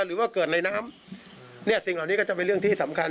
หรือว่าเกิดในน้ำเนี่ยสิ่งเหล่านี้ก็จะเป็นเรื่องที่สำคัญ